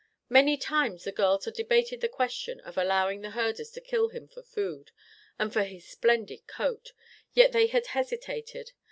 Many times the girls had debated the question of allowing the herders to kill him for food and for his splendid coat; yet they had hesitated.